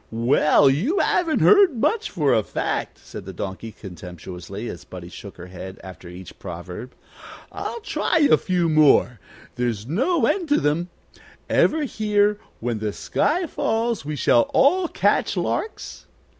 Well, you haven't heard much, for a fact," said the Donkey, contemptuously, as Buddie shook her head after each proverb. "I'll try a few more; there's no end to them. Ever hear, When the sky falls we shall all catch larks?